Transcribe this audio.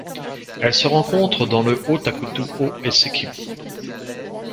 Elle se rencontre dans le Haut-Takutu-Haut-Essequibo.